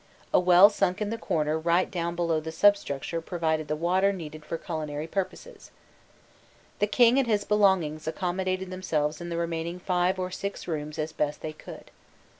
A well sunk in the corner right down below the substructure provided the water needed for culinary purposes. The king and his belongings accommodated themselves in the remaining five or six rooms as best they could.